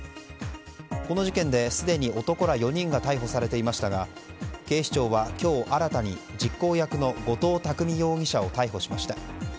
この事件で、すでに男ら４人が逮捕されていましたが警視庁は今日新たに実行役の後藤巧容疑者を逮捕しました。